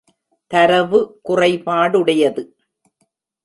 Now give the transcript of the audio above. தரவு குறைபாடுடையது.